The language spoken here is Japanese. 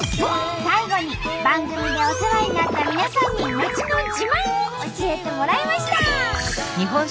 最後に番組でお世話になった皆さんに町の自慢を教えてもらいました！